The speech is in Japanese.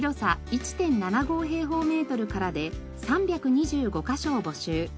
１．７５平方メートルからで３２５カ所を募集。